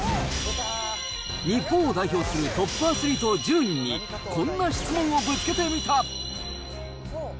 日本を代表するトップアスリート１０人に、こんな質問をぶつけてみた。